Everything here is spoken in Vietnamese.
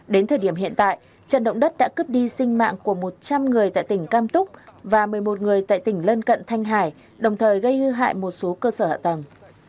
đến thời điểm hiện tại trận động đất đã cướp đi sinh mạng của một trăm linh người tại tỉnh cam túc và một mươi một người tại tỉnh lân cận thanh hải đồng thời gây hư hại một số cơ sở hạ tầng